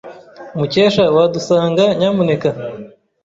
Mukesha, wadusanga, nyamuneka?